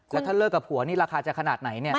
แล้วถ้าเลิกกับผัวนี่ราคาจะขนาดไหนเนี่ย